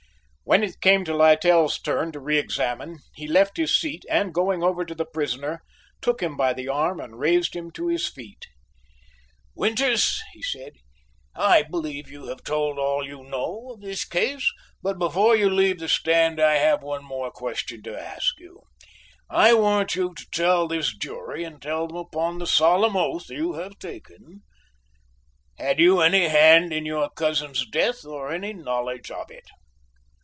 When it came to Littell's turn to re examine, he left his seat and, going over to the prisoner, took him by the arm and raised him to his feet. "Winters," he said, "I believe you have told all you know of the case, but before you leave the stand, I have one more question to ask you. I want you to tell this jury, and tell them upon the solemn oath you have taken, had you any hand in your cousin's death or any knowledge of it?"